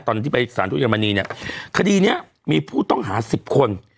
ตอนที่ไปสถานทุทธิ์เยอรมนีเนี้ยคดีเนี้ยมีผู้ต้องหาสิบคน